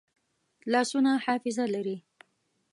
لاسونه حافظه لري